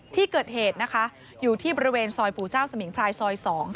ที่เกิดเหตุนะคะอยู่ที่บริเวณซอยปู่เจ้าสมิงพรายซอย๒